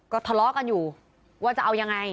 ก็ทะเลาะกันอยู่ว่าจะเอายังไง